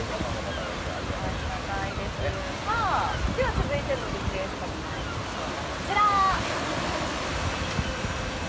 続いてのリクエストにまいりましょう。